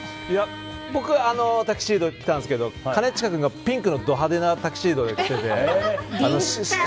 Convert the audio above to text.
僕はタキシードを着たんですけど兼近君がピンクのど派手なタキシードで来ていた。